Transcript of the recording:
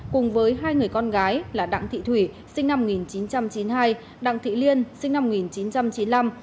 cùng với hai người con gái là đặng thị thủy sinh năm một nghìn chín trăm chín mươi hai đặng thị liên sinh năm một nghìn chín trăm chín mươi năm